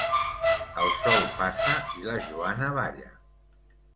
El sol passa i la Joana balla.